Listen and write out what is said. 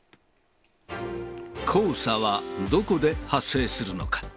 黄砂はどこで発生するのか。